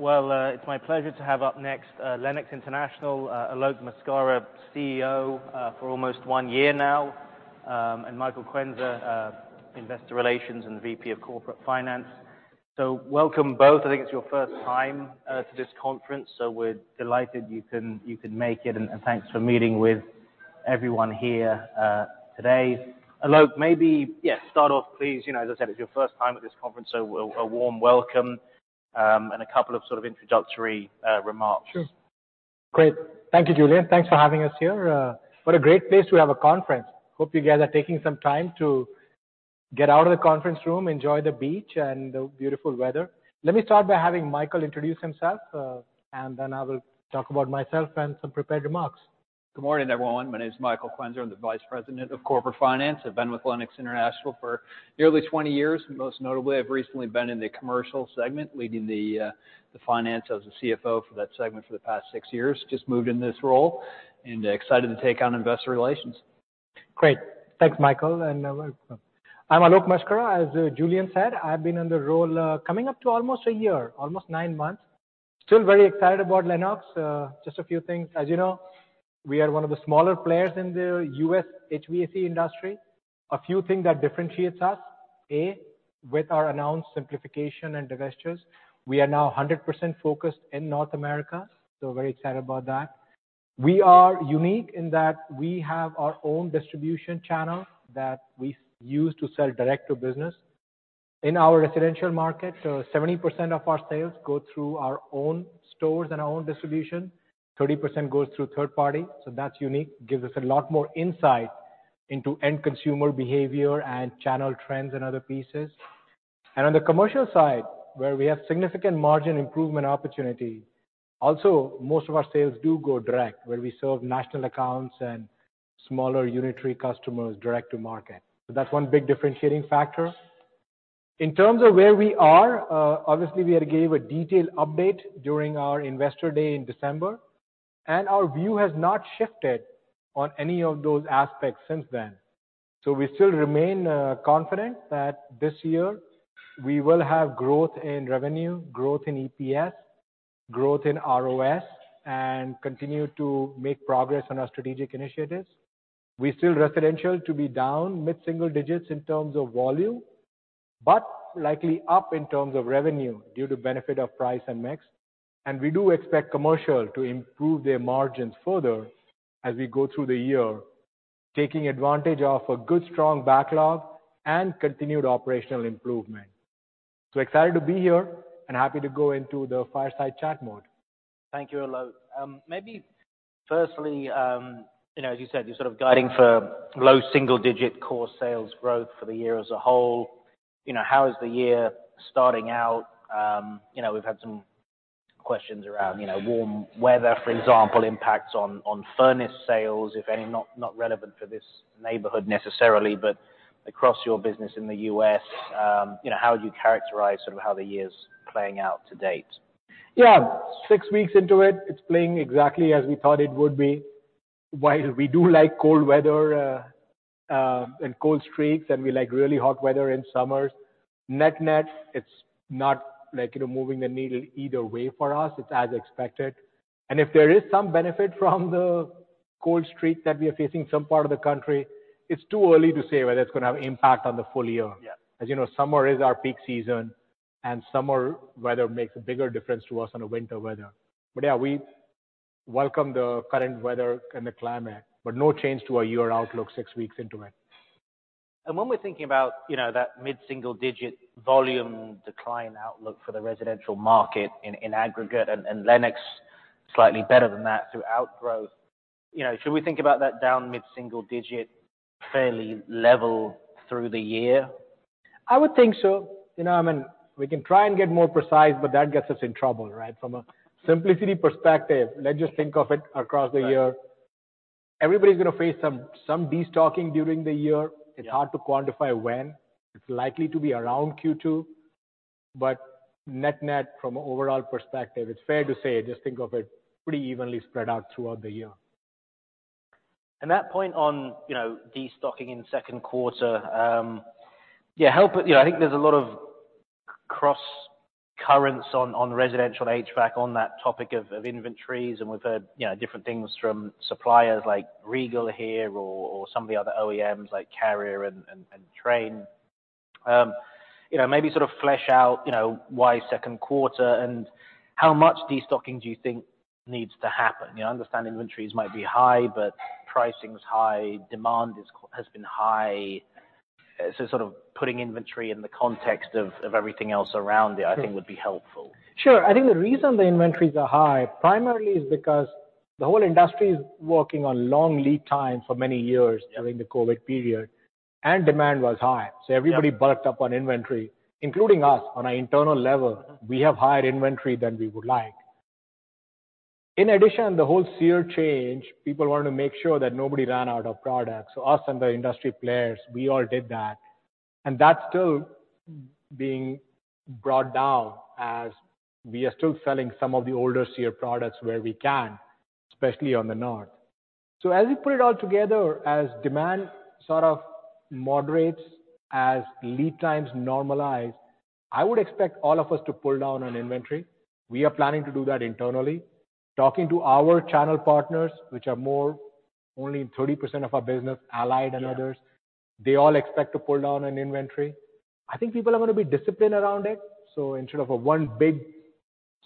Well, it's my pleasure to have up next Lennox International, Alok Maskara, CEO, for almost one year now, and Michael Quenzer, VP of Investor Relations and Corporate Finance. Welcome both. I think it's your first time to this conference. We're delighted you can make it, and thanks for meeting with everyone here today. Alok, maybe, yeah, start off, please. You know, as I said, it's your first time at this conference. A warm welcome, and a couple of sort of introductory remarks. Sure. Great. Thank you, Julian. Thanks for having us here. What a great place to have a conference. Hope you guys are taking some time to get out of the conference room, enjoy the beach and the beautiful weather. Let me start by having Michael introduce himself. Then I will talk about myself and some prepared remarks. Good morning, everyone. My name is Michael Quenzer. I'm the vice president of corporate finance. I've been with Lennox International for nearly 20 years. Most notably, I've recently been in the commercial segment, leading the finance as a CFO for that segment for the past six years. Just moved in this role and excited to take on investor relations. Great. Thanks, Michael, and welcome. I'm Alok Maskara. As Julian said, I've been in the role, coming up to almost a year, almost nine months. Still very excited about Lennox. Just a few things. As you know, we are one of the smaller players in the US HVAC industry. A few things that differentiates us: A, with our announced simplification and divestitures, we are now 100% focused in North America, so very excited about that. We are unique in that we have our own distribution channel that we use to sell direct to business. In our residential market, so 70% of our sales go through our own stores and our own distribution, 30% goes through third party, so that's unique. Gives us a lot more insight into end consumer behavior and channel trends and other pieces. On the commercial side, where we have significant margin improvement opportunity, also, most of our sales do go direct, where we serve national accounts and smaller unitary customers direct to market. That's one big differentiating factor. In terms of where we are, obviously we gave a detailed update during our Investor Day in December, and our view has not shifted on any of those aspects since then. We still remain confident that this year we will have growth in revenue, growth in EPS, growth in ROS, and continue to make progress on our strategic initiatives. We see residential to be down mid-single digits in terms of volume, but likely up in terms of revenue due to benefit of price and mix. We do expect commercial to improve their margins further as we go through the year, taking advantage of a good strong backlog and continued operational improvement. Excited to be here and happy to go into the fireside chat mode. Thank you, Alok. Maybe firstly, you know, as you said, you're sort of guiding for low single-digit core sales growth for the year as a whole. You know, how is the year starting out? You know, we've had some questions around, you know, warm weather, for example, impacts on furnace sales, if any, not relevant for this neighborhood necessarily, but across your business in the U.S. You know, how would you characterize sort of how the year's playing out to date? Yeah. Six weeks into it's playing exactly as we thought it would be. While we do like cold weather, and cold streaks, and we like really hot weather in summers, net-net, it's not like, you know, moving the needle either way for us. It's as expected. If there is some benefit from the cold streak that we are facing in some part of the country, it's too early to say whether it's gonna have impact on the full year. Yeah. As you know, summer is our peak season, and summer weather makes a bigger difference to us than the winter weather. Yeah, we welcome the current weather and the climate, but no change to our year outlook six weeks into it. When we're thinking about, you know, that mid-single digit volume decline outlook for the residential market in aggregate and Lennox slightly better than that through outgrowth, you know, should we think about that down mid-single digit fairly level through the year? I would think so. You know, I mean, we can try and get more precise, but that gets us in trouble, right? From a simplicity perspective, let's just think of it across the year. Everybody's gonna face some destocking during the year. Yeah. It's hard to quantify when it's likely to be around Q2. Net-net, from an overall perspective, it's fair to say, just think of it pretty evenly spread out throughout the year. That point on, you know, destocking in second quarter. You know, I think there's a lot of cross currents on residential HVAC on that topic of inventories, and we've heard, you know, different things from suppliers like Regal here or some of the other OEMs like Carrier and Trane. You know, maybe sort of flesh out, you know, why second quarter, how much destocking do you think needs to happen? You know, I understand inventories might be high, but pricing's high, demand has been high. Sort of putting inventory in the context of everything else around it, I think would be helpful. Sure. I think the reason the inventories are high primarily is because the whole industry is working on long lead times for many years during the COVID period, and demand was high. Yeah. Everybody bulked up on inventory, including us. On an internal level, we have higher inventory than we would like. In addition, the whole SEER change, people wanted to make sure that nobody ran out of product. Us and the industry players, we all did that. That's still being brought down as we are still selling some of the older SEER products where we can, especially on the north. As we put it all together, as demand sort of moderates, as lead times normalize, I would expect all of us to pull down on inventory. We are planning to do that internally. Talking to our channel partners, which are more only 30% of our business, Allied and others, they all expect to pull down on inventory. I think people are gonna be disciplined around it. Instead of a one big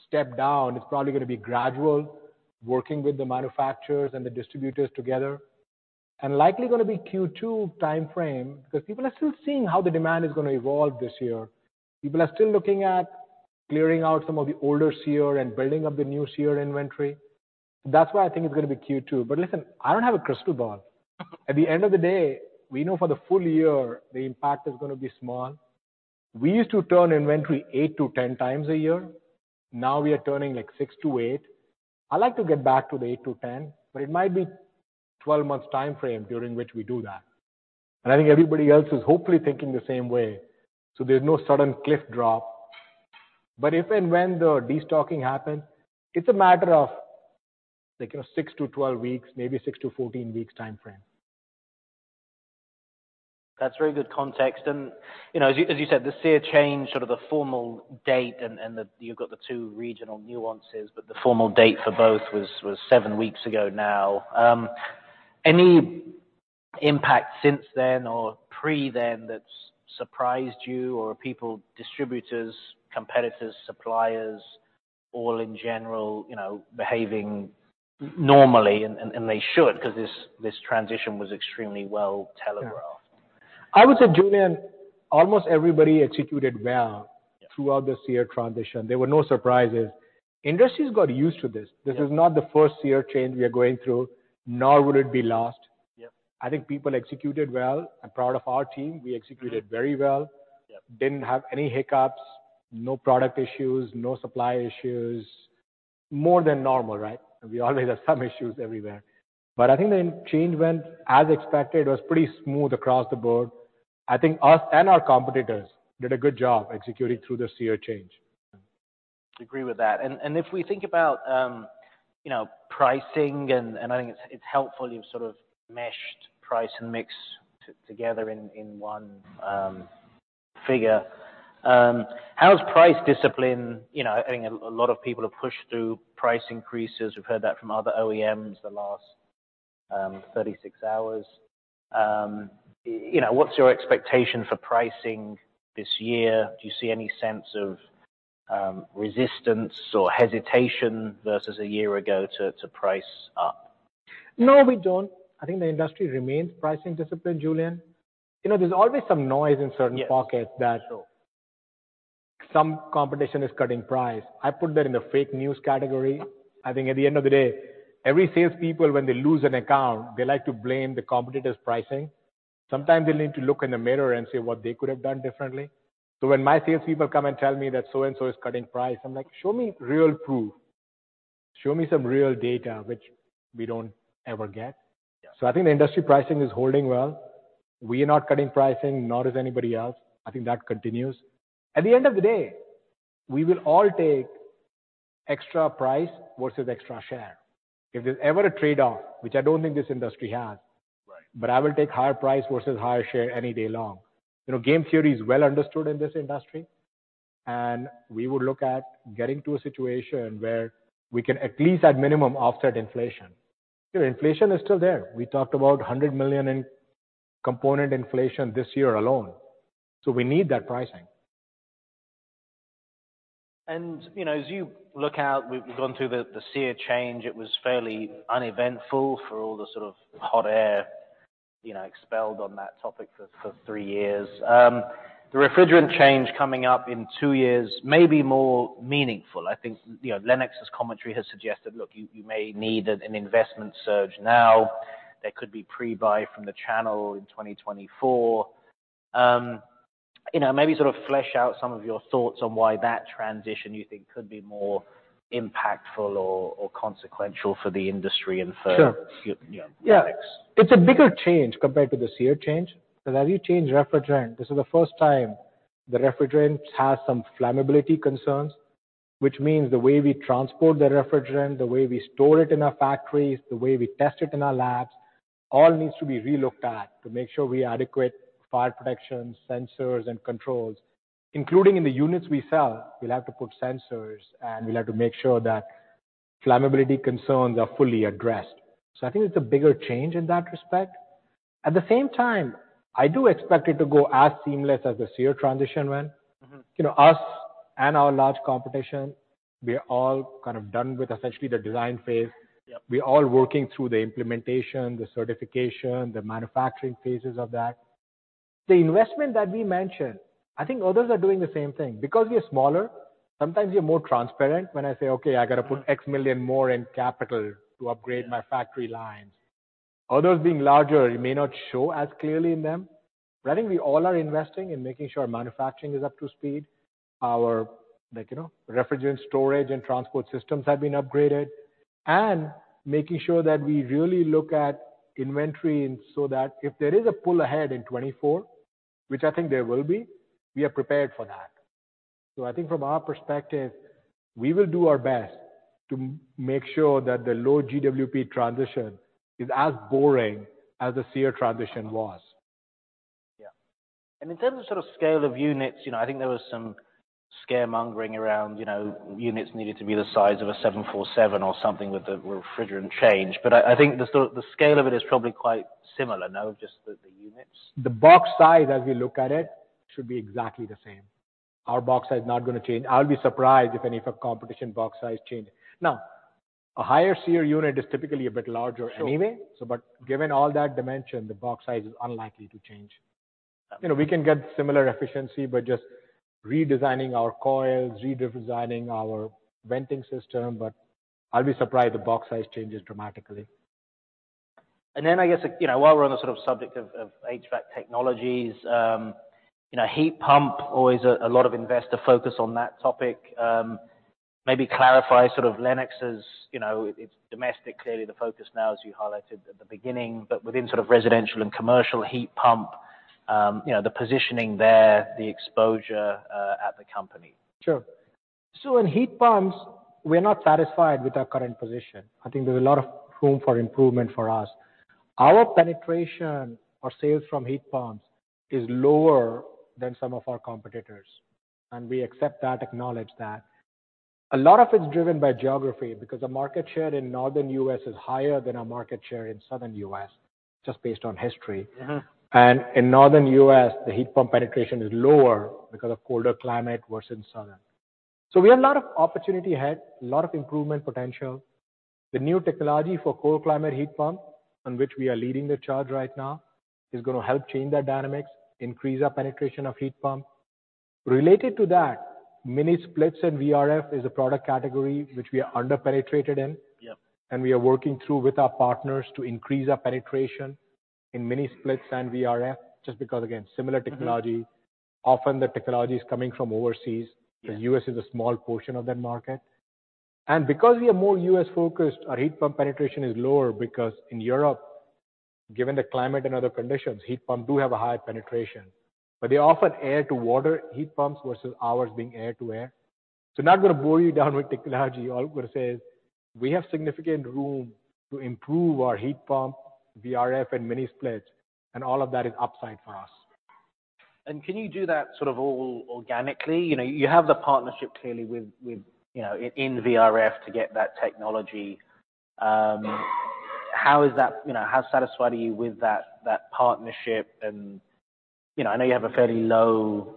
step down, it's probably gonna be gradual, working with the manufacturers and the distributors together, and likely gonna be Q2 timeframe, because people are still seeing how the demand is gonna evolve this year. People are still looking at clearing out some of the older SEER and building up the new SEER inventory. That's why I think it's gonna be Q2. Listen, I don't have a crystal ball. At the end of the day, we know for the full year the impact is gonna be small. We used to turn inventory eight-10 times a year. Now we are turning, like, six-eight. I like to get back to the eight-10, but it might be 12 months timeframe during which we do that. I think everybody else is hopefully thinking the same way, so there's no sudden cliff drop. If and when the de-stocking happens, it's a matter of, like you know, six- 12 weeks, maybe six - 14 weeks timeframe. That's very good context. You know, as you, as you said, the SEER change, sort of the formal date and the you've got the two regional nuances, but the formal date for both was seven weeks ago now. Any impact since then or pre-then that's surprised you or are people, distributors, competitors, suppliers, all in general, you know, behaving normally and they should 'cause this transition was extremely well telegraphed. I would say, Julian, almost everybody executed well. Yeah. Throughout the SEER transition. There were no surprises. Industry's got used to this. Yeah. This is not the first SEER change we are going through, nor will it be last. Yeah. I think people executed well. I'm proud of our team. We executed very well. Yeah. Didn't have any hiccups, no product issues, no supply issues. More than normal, right? We always have some issues everywhere. I think the change went as expected. It was pretty smooth across the board. I think us and our competitors did a good job executing through the SEER change. Agree with that. If we think about, you know, pricing and I think it's helpful you've sort of meshed price and mix together in one figure. How's price discipline? You know, I think a lot of people have pushed through price increases. We've heard that from other OEMs the last 36 hours. You know, what's your expectation for pricing this year? Do you see any sense of resistance or hesitation versus a year ago to price up? No, we don't. I think the industry remains pricing disciplined, Julian. You know, there's always some noise in certain... Yes. pockets that some competition is cutting price. I put that in the fake news category. I think at the end of the day, every salespeople, when they lose an account, they like to blame the competitor's pricing. Sometimes they need to look in the mirror and see what they could have done differently. When my salespeople come and tell me that so and so is cutting price, I'm like, "Show me real proof. Show me some real data," which we don't ever get. Yeah. I think the industry pricing is holding well. We are not cutting pricing, nor does anybody else. I think that continues. At the end of the day, we will all take extra price versus extra share. If there's ever a trade-off, which I don't think this industry has. Right. I will take higher price versus higher share any day long. You know, game theory is well understood in this industry, and we would look at getting to a situation where we can at least at minimum offset inflation. You know, inflation is still there. We talked about $100 million in component inflation this year alone. We need that pricing. You know, as you look out, we've gone through the SEER change, it was fairly uneventful for all the sort of hot air, you know, expelled on that topic for three years. The refrigerant change coming up in two years may be more meaningful. I think, you know, Lennox's commentary has suggested, look, you may need an investment surge now. There could be pre-buy from the channel in 2024. You know, maybe sort of flesh out some of your thoughts on why that transition you think could be more impactful or consequential for the industry and for. Sure. You know, Lennox. It's a bigger change compared to the SEER change. As you change refrigerant, this is the first time the refrigerant has some flammability concerns, which means the way we transport the refrigerant, the way we store it in our factories, the way we test it in our labs, all needs to be re-looked at to make sure we adequate fire protection, sensors and controls, including in the units we sell. We'll have to put sensors, and we'll have to make sure that flammability concerns are fully addressed. I think it's a bigger change in that respect. At the same time, I do expect it to go as seamless as the SEER transition went. Mm-hmm. You know, us and our large competition, we are all kind of done with essentially the design phase. Yeah. We're all working through the implementation, the certification, the manufacturing phases of that. The investment that we mentioned, I think others are doing the same thing. We are smaller, sometimes we are more transparent when I say, "Okay, I gotta put X million more in capital to upgrade my factory lines." Others being larger, it may not show as clearly in them. I think we all are investing in making sure our manufacturing is up to speed. Our, like, you know, refrigerant storage and transport systems have been upgraded. Making sure that we really look at inventory and so that if there is a pull ahead in 2024, which I think there will be, we are prepared for that. I think from our perspective, we will do our best to make sure that the low GWP transition is as boring as the SEER transition was. Yeah. In terms of sort of scale of units, you know, I think there was some scaremongering around, you know, units needed to be the size of a 747 or something with the refrigerant change. I think the sort of the scale of it is probably quite similar now, just the units. The box size as we look at it should be exactly the same. Our box size is not gonna change. I'll be surprised if any of our competition box size change. A higher SEER unit is typically a bit larger anyway. Sure. Given all that dimension, the box size is unlikely to change. You know, we can get similar efficiency by just redesigning our coils, redesigning our venting system, but I'll be surprised if the box size changes dramatically. I guess, you know, while we're on the sort of subject of HVAC technologies, you know, heat pump, always a lot of investor focus on that topic. Maybe clarify sort of Lennox's, you know, it's domestic clearly the focus now, as you highlighted at the beginning, but within sort of residential and commercial heat pump, you know, the positioning there, the exposure, at the company. Sure. In heat pumps, we're not satisfied with our current position. I think there's a lot of room for improvement for us. Our penetration or sales from heat pumps is lower than some of our competitors. We accept that, acknowledge that. A lot of it's driven by geography because the market share in Northern U.S. is higher than our market share in Southern U.S., just based on history. Mm-hmm. In Northern U.S., the heat pump penetration is lower because of colder climate versus Southern. We have a lot of opportunity ahead, a lot of improvement potential. The new technology for cold climate heat pump, on which we are leading the charge right now, is going to help change that dynamics, increase our penetration of heat pump. Related to that, mini-splits and VRF is a product category which we are under-penetrated in. Yeah. We are working through with our partners to increase our penetration in mini-splits and VRF just because, again, similar technology. Mm-hmm. Often the technology is coming from overseas. Yeah. The U.S. is a small portion of that market. Because we are more US focused, our heat pump penetration is lower because in Europe, given the climate and other conditions, heat pump do have a high penetration. They're often air-to-water heat pumps versus ours being air-to-air. I'm not gonna bore you down with technology. All I'm gonna say is we have significant room to improve our heat pump, VRF and mini-split, and all of that is upside for us. Can you do that sort of all organically? You know, you have the partnership clearly with, you know, in VRF to get that technology. You know, how satisfied are you with that partnership? You know, I know you have a fairly low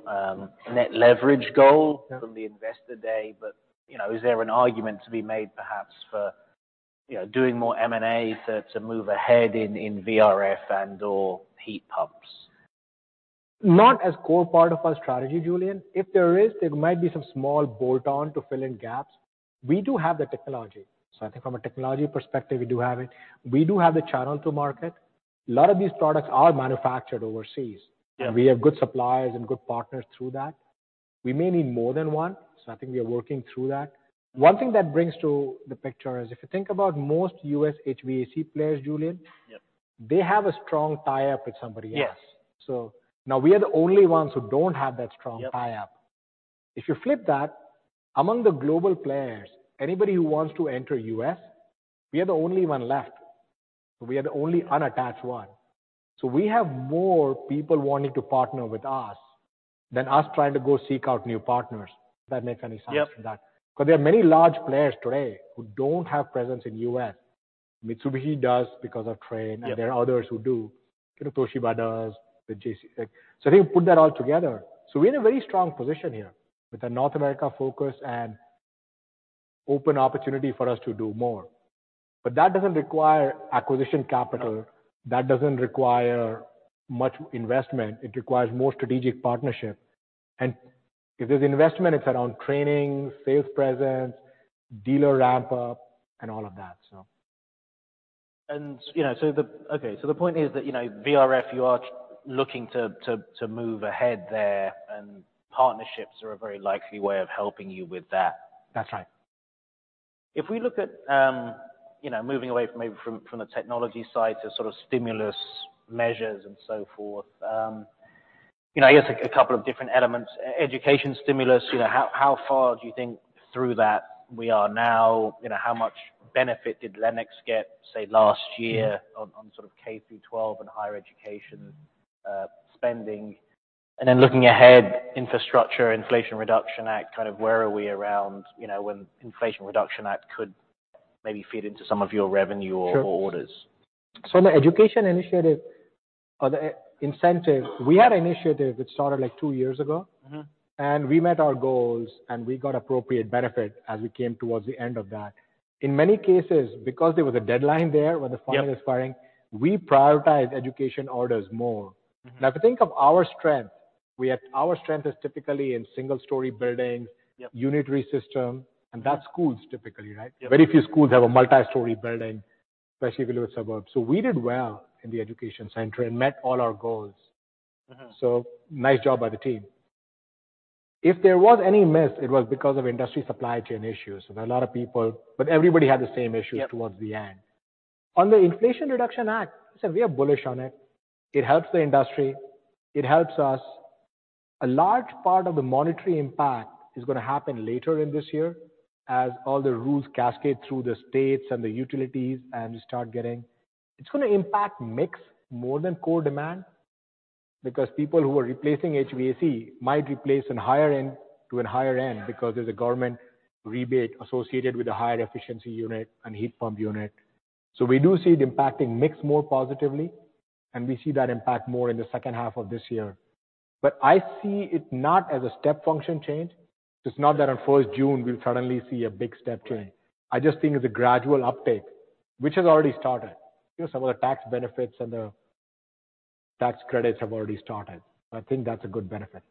net leverage goal Yeah From the Investor Day. You know, is there an argument to be made perhaps for, you know, doing more M&A to move ahead in VRF and/or heat pumps? Not as core part of our strategy, Julian. If there is, there might be some small bolt on to fill in gaps. We do have the technology. I think from a technology perspective, we do have it. We do have the channel to market. A lot of these products are manufactured overseas. Yeah. We have good suppliers and good partners through that. We may need more than one. I think we are working through that. One thing that brings to the picture is if you think about most US HVAC players, Julian- Yeah... they have a strong tie-up with somebody else. Yeah. Now we are the only ones who don't have that strong tie-up. Yep. If you flip that, among the global players, anybody who wants to enter U.S., we are the only one left. We are the only unattached one. We have more people wanting to partner with us than us trying to go seek out new partners, if that makes any sense. Yep. 'Cause there are many large players today who don't have presence in U.S. Mitsubishi does because of. Yeah There are others who do. You know, Toshiba does, the JCI. I think put that all together. We're in a very strong position here with a North America focus and open opportunity for us to do more. That doesn't require acquisition capital. That doesn't require much investment. It requires more strategic partnership. If there's investment, it's around training, sales presence, dealer ramp up and all of that, so. You know, Okay, the point is that, you know, VRF, you are looking to move ahead there and partnerships are a very likely way of helping you with that. That's right. If we look at, you know, moving away from maybe from the technology side to sort of stimulus measures and so forth, you know, I guess a couple of different elements. Education stimulus, you know, how far do you think through that we are now? You know, how much benefit did Lennox get, say, last year on sort of K-12 and higher education spending? Looking ahead, infrastructure, Inflation Reduction Act, kind of where are we around, you know, when Inflation Reduction Act could maybe feed into some of your revenue or orders? Sure. In the education initiative or the incentive, we had an initiative which started, like, two years ago. Mm-hmm. We met our goals, and we got appropriate benefit as we came towards the end of that. In many cases, because there was a deadline there where the funding was firing- Yeah we prioritized education orders more. Mm-hmm. Now, if you think of our strength, Our strength is typically in single story buildings. Yeah -unitary system, and that's schools typically, right? Yeah. Very few schools have a multi-story building, especially if you look at suburbs. We did well in the education center and met all our goals. Mm-hmm. Nice job by the team. If there was any miss, it was because of industry supply chain issues. Everybody had the same issues towards the end. On the Inflation Reduction Act, we are bullish on it. It helps the industry, it helps us. A large part of the monetary impact is going to happen later in this year as all the rules cascade through the states and the utilities and start getting... It's going to impact mix more than core demand because people who are replacing HVAC might replace in higher end to a higher end because there's a government rebate associated with a higher efficiency unit and heat pump unit. We do see it impacting mix more positively, and we see that impact more in the second half of this year. I see it not as a step function change. It's not that on 1st June we'll suddenly see a big step change. Right. I just think it's a gradual uptake which has already started. You know, some of the tax benefits and the tax credits have already started. I think that's a good benefit.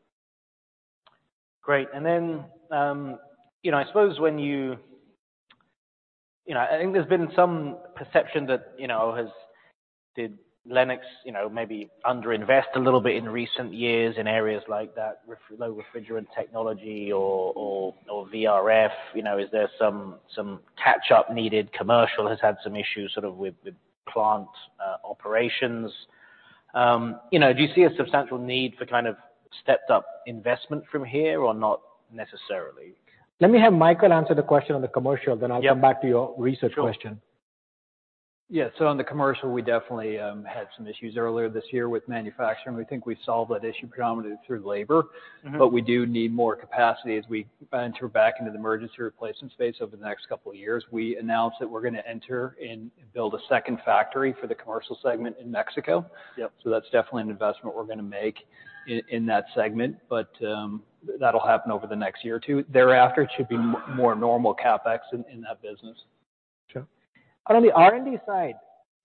Great. You know, I suppose when you know, I think there's been some perception that, you know, has did Lennox, you know, maybe under invest a little bit in recent years in areas like that low GWP refrigerant technology or VRF. You know, is there some catch up needed? Commercial has had some issues sort of with plant operations. You know, do you see a substantial need for kind of stepped up investment from here or not necessarily? Let me have Michael answer the question on the commercial. Yeah. I'll come back to your research question. Sure. Yeah. On the commercial, we definitely had some issues earlier this year with manufacturing. We think we solved that issue predominantly through labor. Mm-hmm. We do need more capacity as we enter back into the emergency replacement space over the next couple of years. We announced that we're gonna enter and build a second factory for the commercial segment in Mexico. Yep. That's definitely an investment we're gonna make in that segment. That'll happen over the next year or two. Thereafter, it should be more normal CapEx in that business. Sure. On the R&D side,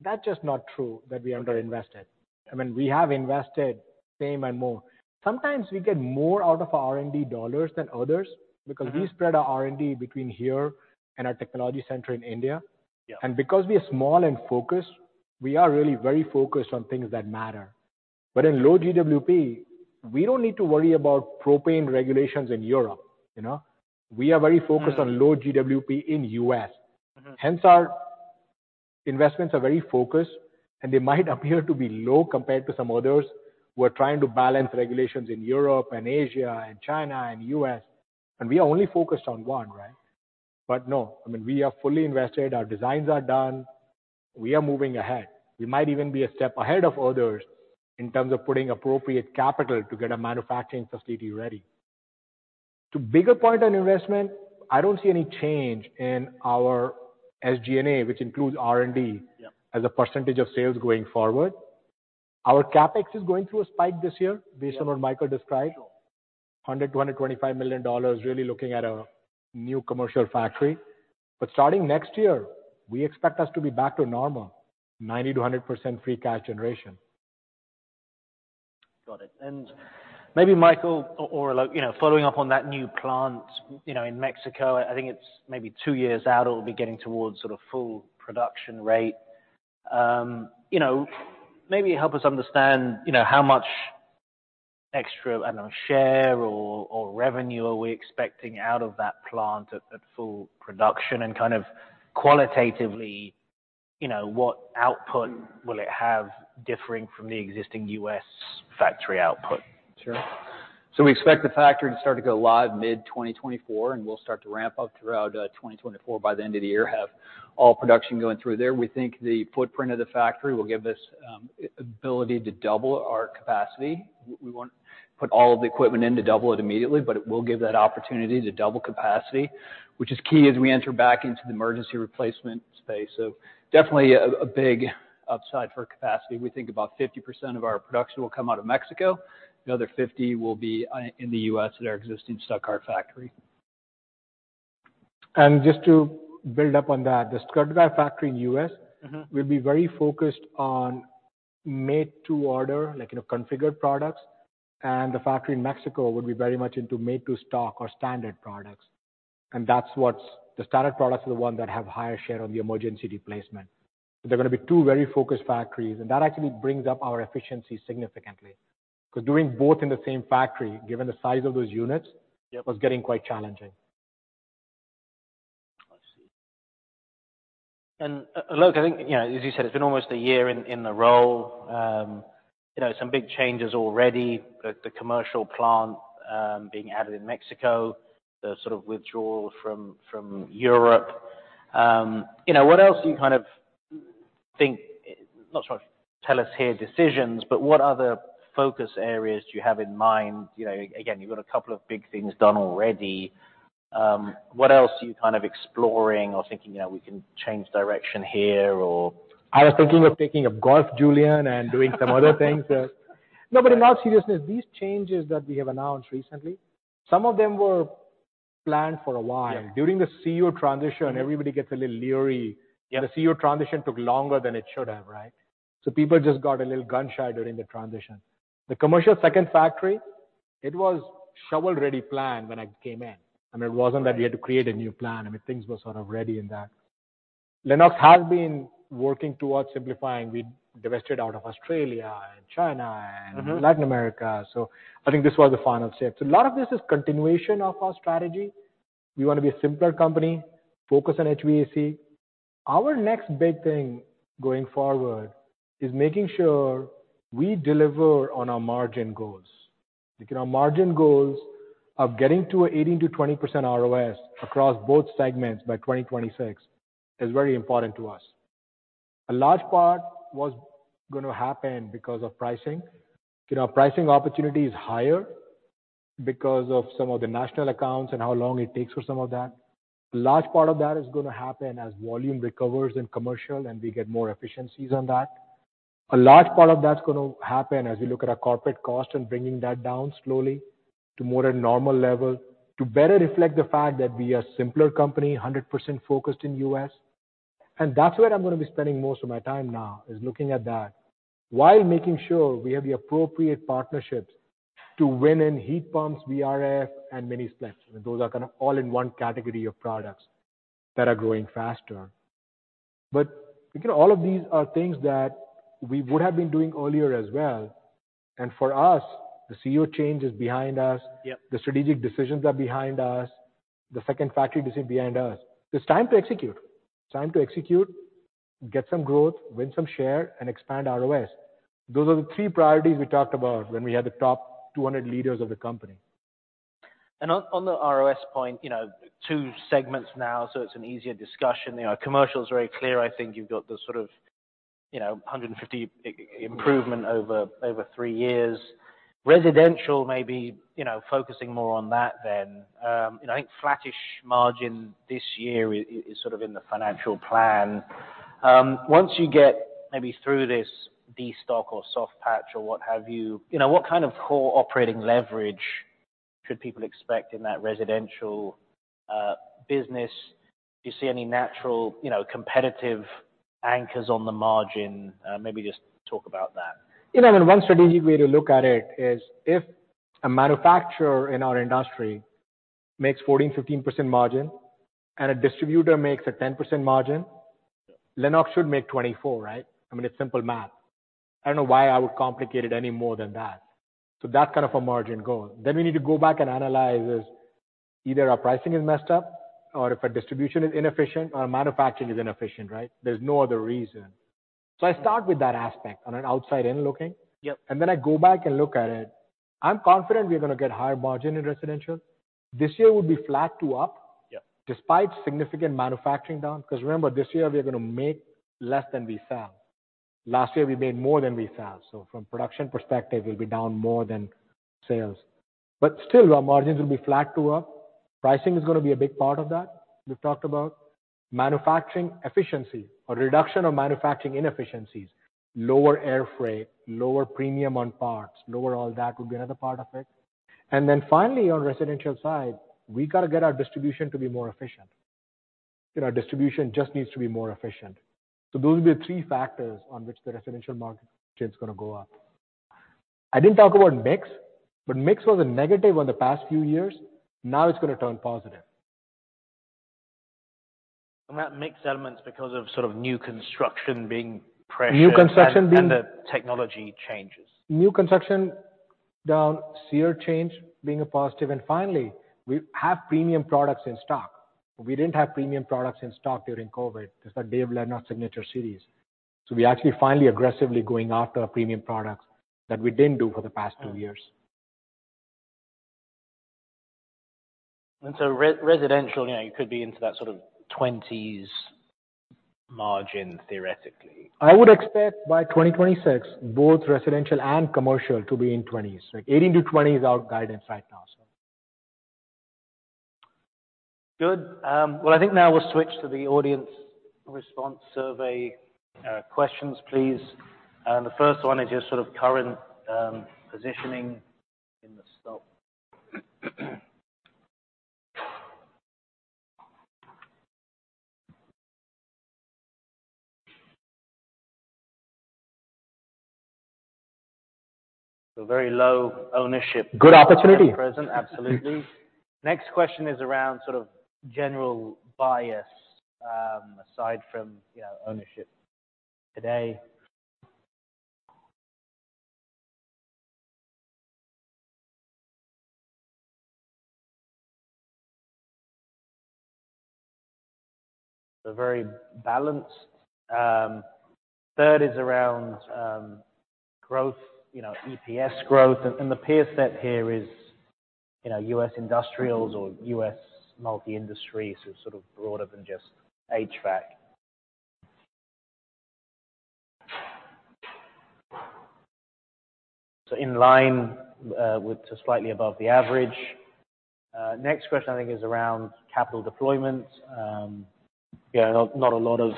that's just not true that we under invested. I mean, we have invested same and more. Sometimes we get more out of our R&D dollars than others. Mm-hmm... because we spread our R&D between here and our technology center in India. Yeah. Because we are small and focused, we are really very focused on things that matter. In low GWP, we don't need to worry about propane regulations in Europe, you know? We are very focused. Mm-hmm... on low GWP in U.S. Mm-hmm. Our investments are very focused, and they might appear to be low compared to some others who are trying to balance regulations in Europe and Asia and China and U.S., and we are only focused on one, right? No, I mean, we are fully invested. Our designs are done. We are moving ahead. We might even be a step ahead of others in terms of putting appropriate capital to get our manufacturing facility ready. To bigger point on investment, I don't see any change in our SG&A, which includes R&D. Yeah... as a % of sales going forward. Our CapEx is going through a spike this year based on what Michael described. Sure. $100 million-$125 million, really looking at a new commercial factory. Starting next year, we expect us to be back to normal, 90%-100% free cash generation. Got it. Maybe Michael or Alok, you know, following up on that new plant, you know, in Mexico, I think it's maybe two years out, it'll be getting towards sort of full production rate. You know, maybe help us understand, you know, how much extra, I don't know, share or revenue are we expecting out of that plant at full production? Kind of qualitatively, you know, what output will it have differing from the existing US factory output? Sure. We expect the factory to start to go live mid-2024, and we'll start to ramp up throughout 2024. By the end of the year, have all production going through there. We think the footprint of the factory will give us ability to double our capacity. We won't put all of the equipment in to double it immediately, but it will give that opportunity to double capacity, which is key as we enter back into the emergency replacement space. Definitely a big upside for capacity. We think about 50% of our production will come out of Mexico. The other 50 will be in the U.S. at our existing Stuttgart factory. Just to build up on that, the Stuttgart factory. Mm-hmm... will be very focused on made to order, like, you know, configured products. The factory in Mexico would be very much into made to stock or standard products. That's the standard products are the ones that have higher share on the emergency replacement. They're gonna be two very focused factories, and that actually brings up our efficiency significantly. 'Cause doing both in the same factory, given the size of those units. Yeah was getting quite challenging. I see. Alok, I think, you know, as you said, it's been almost a year in the role. You know, some big changes already. The commercial plant, being added in Mexico, the sort of withdrawal from Europe. You know, what else do you kind of think not trying to tell us here decisions, but what other focus areas do you have in mind? You know, again, you've got a couple of big things done already. What else are you kind of exploring or thinking, you know, we can change direction here or... I was thinking of taking up golf, Julian, and doing some other things. No, in all seriousness, these changes that we have announced recently, some of them were planned for a while. Yeah. During the CEO transition, everybody gets a little leery. Yeah. The CEO transition took longer than it should have, right? People just got a little gun-shy during the transition. The commercial second factory, it was shovel-ready plan when I came in. I mean, it wasn't that we had to create a new plan. I mean, things were sort of ready in that. Lennox has been working towards simplifying. We divested out of Australia and China and- Mm-hmm... Latin America. I think this was the final step. A lot of this is continuation of our strategy. We wanna be a simpler company, focus on HVAC. Our next big thing going forward is making sure we deliver on our margin goals. Okay. Our margin goals of getting to 18% -20% ROS across both segments by 2026 is very important to us. A large part was gonna happen because of pricing. You know, our pricing opportunity is higher because of some of the national accounts and how long it takes for some of that. A large part of that is gonna happen as volume recovers in commercial, and we get more efficiencies on that. A large part of that's going to happen as we look at our corporate cost and bringing that down slowly to more a normal level, to better reflect the fact that we are simpler company, 100% focused in U.S. That's where I'm going to be spending most of my time now, is looking at that while making sure we have the appropriate partnerships to win in heat pumps, VRF and mini-splits. Those are kinda all in one category of products that are growing faster. You know, all of these are things that we would have been doing earlier as well. For us, the CEO change is behind us. Yep. The strategic decisions are behind us. The second factory decision behind us. It's time to execute. Time to execute, get some growth, win some share, and expand ROS. Those are the three priorities we talked about when we had the top 200 leaders of the company. On the ROS point, you know, two segments now, so it's an easier discussion. You know, commercial is very clear. I think you've got the sort of, you know, 150 improvement over three years. Residential maybe, you know, focusing more on that then. I think flattish margin this year is sort of in the financial plan. Once you get maybe through this destock or soft patch or what have you know, what kind of core operating leverage should people expect in that residential business? Do you see any natural, you know, competitive anchors on the margin? Maybe just talk about that. You know, one strategic way to look at it is if a manufacturer in our industry makes 14%-15% margin and a distributor makes a 10% margin. Yeah. Lennox should make 24%, right? I mean, it's simple math. I don't know why I would complicate it any more than that. That's kind of a margin goal. We need to go back and analyze is either our pricing is messed up or if our distribution is inefficient or our manufacturing is inefficient, right? There's no other reason. I start with that aspect on an outside-in looking. Yep. I go back and look at it. I'm confident we're gonna get higher margin in residential. This year will be flat to up- Yeah. despite significant manufacturing down. Remember, this year we are gonna make less than we sell. Last year, we made more than we sell. From production perspective, we'll be down more than sales. Still, our margins will be flat to up. Pricing is gonna be a big part of that. We've talked about manufacturing efficiency or reduction of manufacturing inefficiencies, lower air freight, lower premium on parts, lower all that will be another part of it. Finally, on residential side, we gotta get our distribution to be more efficient. You know, our distribution just needs to be more efficient. Those will be the three factors on which the residential margin is gonna go up. I didn't talk about mix. Mix was a negative on the past few years. Now it's gonna turn positive. That mix element is because of sort of new construction being pressure-. New construction being The technology changes. New construction down, SEER change being a positive. Finally, we have premium products in stock. We didn't have premium products in stock during COVID, just like Dave Lennox Signature Collection. We actually finally aggressively going after premium products that we didn't do for the past two years. Re-residential, you know, you could be into that sort of 20s margin, theoretically. I would expect by 2026, both residential and commercial to be in 20s. Like 18%-20% is our guidance right now, so. Good. Well, I think now we'll switch to the audience response survey, questions, please. The first one is just sort of current, positioning in the stock. Very low ownership Good opportunity. -at present. Absolutely. Next question is around sort of general bias, aside from, you know, ownership today. Very balanced. Third is around growth, you know, EPS growth. The peer set here is, you know, US Industrials or US Multi-Industry, sort of broader than just HVAC. In line with just slightly above the average. Next question I think is around capital deployment. Yeah, not a lot of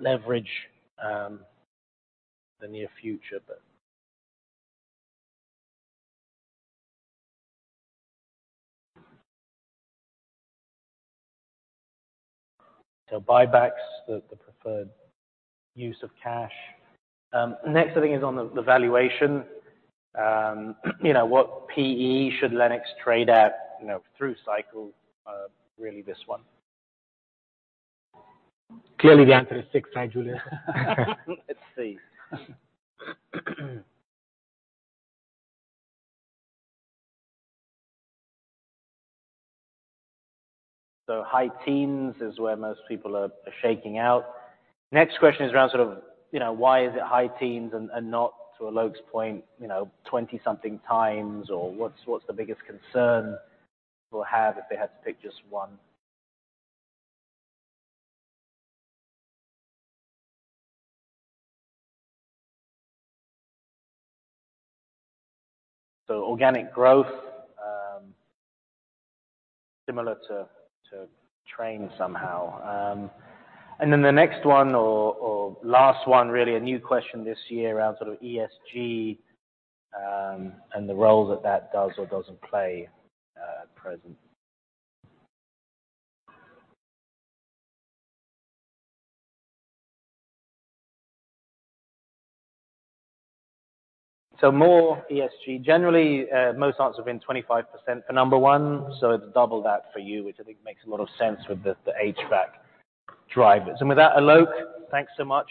leverage the near future. Buybacks, the preferred use of cash. Next I think is on the valuation. You know, what P/E should Lennox trade at, you know, through cycle, really this one. Clearly, the answer is six, right, Julian? Let's see. High teens is where most people are shaking out. Next question is around sort of, you know, why is it high teens and not to Alok's point, you know, 20 something times, or what's the biggest concern people have if they had to pick just one? Organic growth, similar to Trane somehow. The next one or last one, really a new question this year around sort of ESG, and the role that that does or doesn't play at present. More ESG. Generally, most answer been 25% for number one, so it's double that for you, which I think makes a lot of sense with the HVAC drivers. With that, Alok, thanks so much.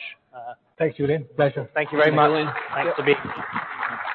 Thanks, Julian. Pleasure. Thank you very much. Thanks, Julian.